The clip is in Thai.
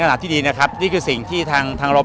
การติดตามมันยังเป็นการติดตาม